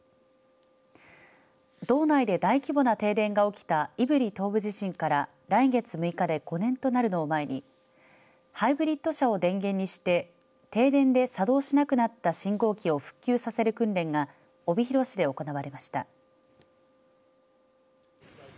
道内で大規模な停電が起きた胆振東部地震から来月６日で５年となるのを前にハイブリッド車を電源にして停電で作動しなくなった信号をきょう、復旧させる訓練が帯広市で行われました。